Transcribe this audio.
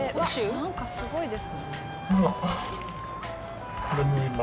何かすごいです。